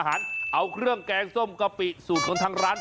ต้องการทำอาหารเอาเครื่องแกงส้มกะปิสูงของทางร้าน